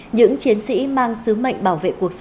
những chiến sĩ mang sứ mục